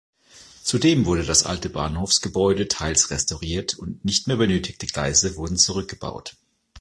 Zudem wurde das alte Bahnhofsgebäude teils restauriert, und nicht mehr benötigte Gleise wurden zurückgebaut.